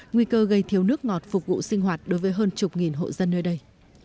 nguy cơ gây thiếu nước ngọt phục vụ sinh hoạt đối với hơn chục nghìn hộ dân nơi đây